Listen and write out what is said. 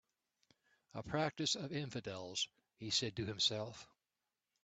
"A practice of infidels," he said to himself.